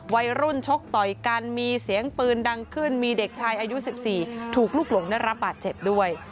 วัยรุ่นชกต่อยกันมีเสียงปืนดังขึ้นมีเด็กชายอายุ๑๔ถูกลุกหลงได้รับบาดเจ็บด้วย